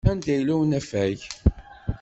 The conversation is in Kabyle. Anda yella unafag?